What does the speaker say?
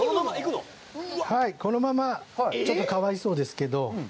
このまま、ちょっとかわいそうですけど。